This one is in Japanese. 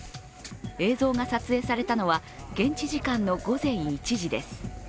映像が撮影されたのは現地時間の午前１時です。